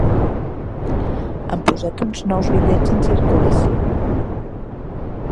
Han posat uns nous bitllets en circulació.